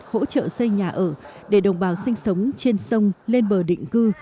hỗ trợ xây nhà ở để đồng bào sinh sống trên sông lên bờ định cư